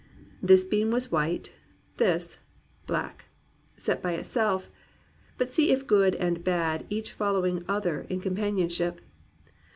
"This bean was white, this — black. Set by itself, — but see if good and bad Each following other in companionship.